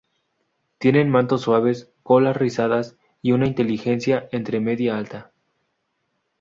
Tienen mantos suaves, colas rizadas y una inteligencia entre media-alta.